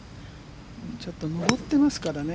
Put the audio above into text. ちょっと上っていますからね。